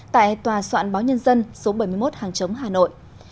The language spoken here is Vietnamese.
tại tòa soạn báo nhân dân số bảy mươi một hàng chống hà nội